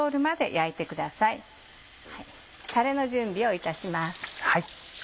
たれの準備をいたします。